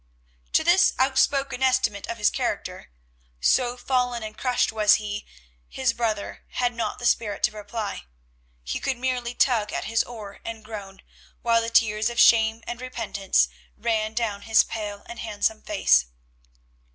To this outspoken estimate of his character, so fallen and crushed was he, his brother had not the spirit to reply. He could merely tug at his oar and groan, while the tears of shame and repentance ran down his pale and handsome face.